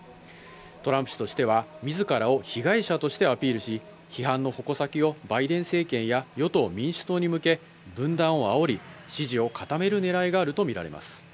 トランプ氏としては自らを被害者としてアピールし、批判の矛先をバイデン政権や与党・民主党に向け、分断をあおり、支持を固めるねらいがあるとみられます。